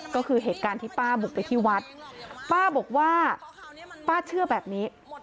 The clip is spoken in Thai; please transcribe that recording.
ก็คือเหตุการณ์ที่ป้าบุกไปที่วัดป้าบอกว่าป้าเชื่อแบบนี้